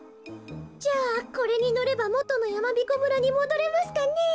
じゃあこれにのればもとのやまびこ村にもどれますかねえ。